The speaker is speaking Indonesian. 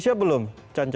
itu aja sih